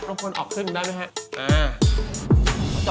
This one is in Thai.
รบกวนออกครึ่งหนึ่งได้ไหมฮะ